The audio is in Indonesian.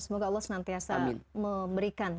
semoga allah senantiasa memberikan